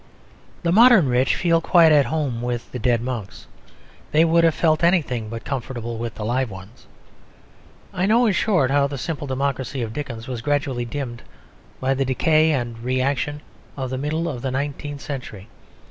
The modern rich feel quite at home with the dead monks. They would have felt anything but comfortable with the live ones. I know, in short, how the simple democracy of Dickens was gradually dimmed by the decay and reaction of the middle of the nineteenth century.